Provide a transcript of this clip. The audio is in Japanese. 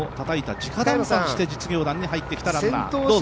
直談判して実業団に入ってきたランナー。